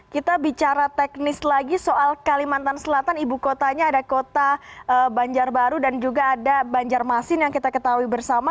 kita bicara teknis lagi soal kalimantan selatan ibu kotanya ada kota banjarbaru dan juga ada banjarmasin yang kita ketahui bersama